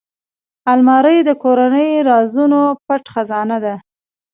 الماري د کورنۍ رازونو پټ خزانه ده